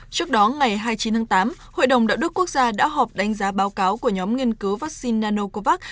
trước đó ngày hai mươi chín tháng tám hội đồng đạo đức quốc gia đã họp đánh giá báo cáo của nhóm nghiên cứu vaccine nanocovax